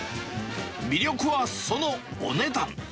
魅力はそのお値段。